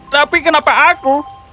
tapi kenapa aku